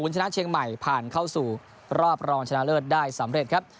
ชนะเชียงใหม่ผ่านเข้าสู่รอบรองชนะเลิศได้สำเร็จครับ